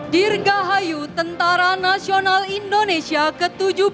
dirgahayu tentara nasional indonesia ke tujuh puluh dua